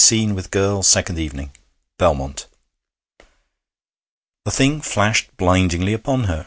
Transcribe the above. Scene with girl second evening_. BELMONT.' The thing flashed blindingly upon her.